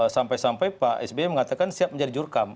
sampai sampai pak sby mengatakan siap menjadi jurkam